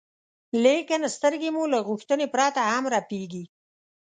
لیکن سترګې مو له غوښتنې پرته هم رپېږي.